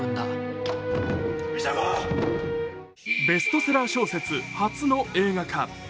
ベストセラー小説初の映画化。